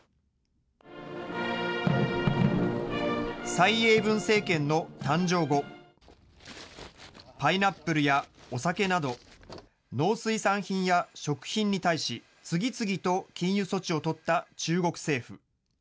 蔡英文政権の誕生後、パイナップルやお酒など、農水産品や食品に対し、次々と禁輸措置を取った中国政府。